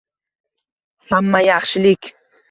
Hamma yaxshilik